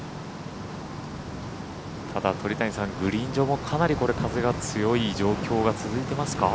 ただ、鳥谷さんグリーン上もかなり風が強い状況が続いてますか？